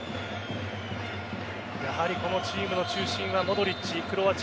やはりこのチームの中心はモドリッチ。